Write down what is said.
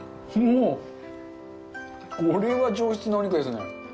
もう、これは上質なお肉ですね。